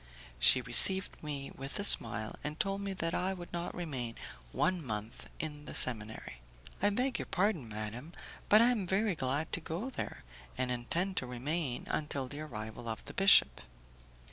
She received me with a smile, and told me that I would not remain one month in the seminary. "I beg your pardon, madam, but I am very glad to go there, and intend to remain until the arrival of the bishop."